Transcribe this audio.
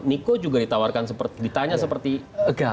niko juga ditawarkan ditanya seperti mas fajrul